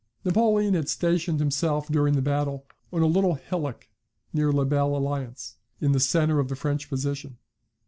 ] Napoleon had stationed himself during the battle on a little hillock near La Belle Alliance, in the centre of the French position.